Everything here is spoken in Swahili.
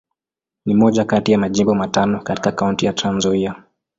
Ni moja kati ya Majimbo matano katika Kaunti ya Trans-Nzoia.